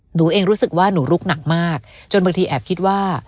หนูเองรู้สึกว่าหนูลุกหนักมากจนบางทีแอบคิดว่า